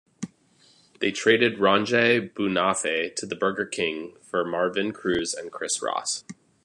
They traded Ronjay Buenafe to the Burger King for Marvin Cruz and Chris Ross.